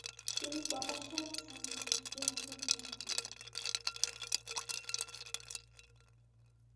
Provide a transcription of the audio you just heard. তিনি potassium cyanide খেয়ে আত্মহত্যা করেন।